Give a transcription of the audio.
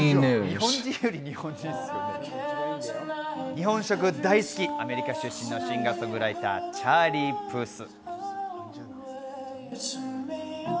日本食大好き、アメリカ出身のシンガー・ソングライター、チャーリー・プース。